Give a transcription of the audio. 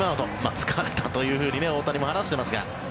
疲れたというふうに大谷も話していますが。